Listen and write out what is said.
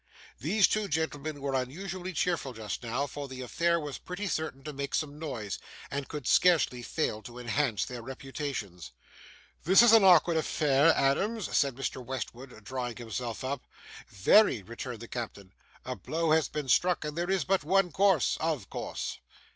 These two gentlemen were unusually cheerful just now; for the affair was pretty certain to make some noise, and could scarcely fail to enhance their reputations. 'This is an awkward affair, Adams,' said Mr. Westwood, drawing himself up. 'Very,' returned the captain; 'a blow has been struck, and there is but one course, OF course.